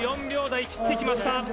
２４秒台、切ってきました。